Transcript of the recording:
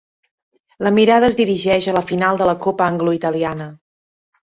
La mirada es dirigeix a la final de la Copa Anglo-Italiana.